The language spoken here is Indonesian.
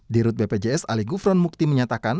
di rut bpjs ali gufron mukti menyatakan